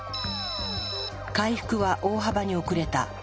回復は大幅に遅れた。